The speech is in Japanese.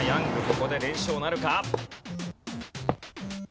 ここで連勝なるか？